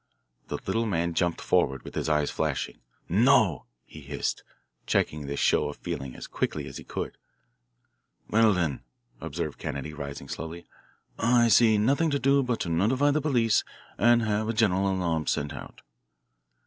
The little man jumped forward with his eyes flashing. "No," he hissed, checking this show of feeling as quickly as he could. "Well, then," observed Kennedy, rising slowly, "I see nothing to do but to notify the police and have a general alarm sent out."